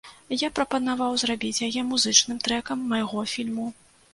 Я прапанаваў зрабіць яе музычным трэкам майго фільму.